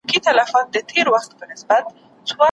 له اغیار به څه ګیله وي په جانان اعتبار نسته